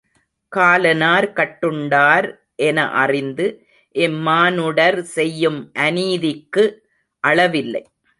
காலனார் கட்டுண் டார் என அறிந்து இம்மானுடர் செய்யும் அநீதிக்கு அளவில்லை.